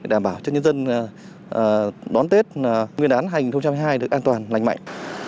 đảm bảo cho nhân dân đón tết nguyên đán hai nghìn hai mươi hai được an toàn lành mạnh